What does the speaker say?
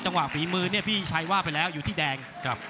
จังหวะฝีมือพี่ชัยว่าไปแล้วอยู่ที่แดง